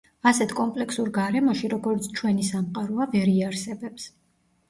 ასეთ კომპლექსურ გარემოში, როგორიც ჩვენი სამყაროა, ვერ იარსებებს.